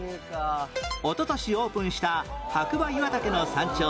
おととしオープンした白馬岩岳の山頂